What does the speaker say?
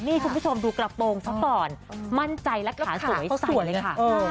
นี่คุณผู้ชมดูกระโปรงซะก่อนมั่นใจและขาสวยสั่นเลยค่ะ